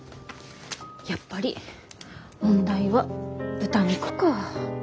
やっぱり問題は豚肉か。